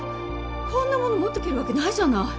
こんなもの持っていけるわけないじゃない！